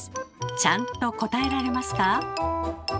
ちゃんと答えられますか？